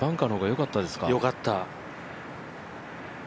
よかった。